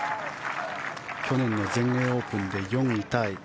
去年の全英オープンで４位タイ。